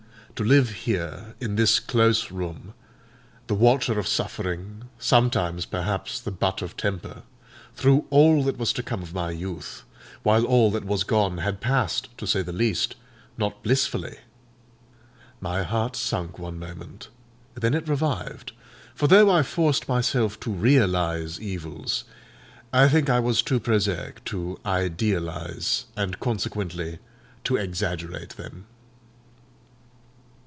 To live here, in this close room, the watcher of suffering—sometimes, perhaps, the butt of temper—through all that was to come of my youth; while all that was gone had passed, to say the least, not blissfully! My heart sunk one moment, then it revived; for though I forced myself to realise evils, I think I was too prosaic to idealise, and consequently to exaggerate them.